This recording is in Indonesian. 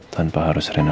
tanpa harus rena dengar